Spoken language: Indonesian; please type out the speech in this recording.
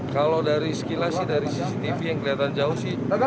kalau dari sekilas sih dari cctv yang kelihatan jauh sih